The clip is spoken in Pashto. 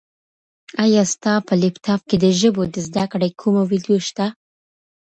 ایا ستا په لیپټاپ کي د ژبو د زده کړې کومه ویډیو شته؟